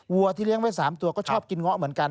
วัวที่เลี้ยงไว้๓ตัวต้องกินร้องเงินเหมือนกัน